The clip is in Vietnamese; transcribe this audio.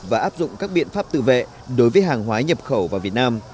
và áp dụng các biện pháp tự vệ đối với hàng hóa nhập khẩu vào việt nam